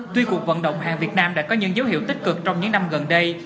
tuy cuộc vận động hàng việt nam đã có những dấu hiệu tích cực trong những năm gần đây